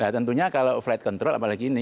tentunya kalau flight control apalagi ini